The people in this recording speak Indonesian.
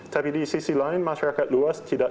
tapi di sisi lain masyarakat luas tidak